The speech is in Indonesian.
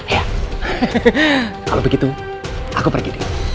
iya kalau begitu aku pergi dulu